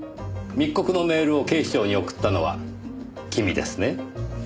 密告のメールを警視庁に送ったのは君ですね？